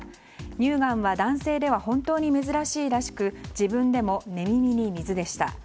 乳がんは男性では本当に珍しいらしく自分でも寝耳に水でした。